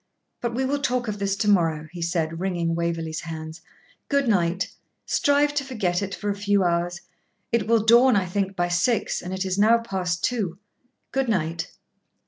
But we will talk of this to morrow,' he said, wringing Waverley's hands. 'Good night; strive to forget it for a few hours. It will dawn, I think, by six, and it is now past two. Good night.'